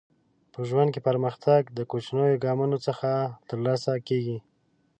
په ژوند کې پرمختګ د کوچنیو ګامونو څخه ترلاسه کیږي.